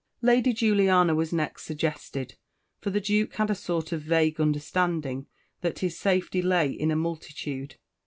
Lady Juliana was next suggested for the Duke had a sort of vague understanding that his safety lay in a multitude.